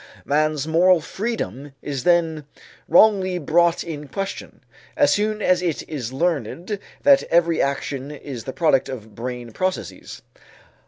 Man's moral freedom is then wrongly brought in question, as soon as it is learned that every action is the product of brain processes.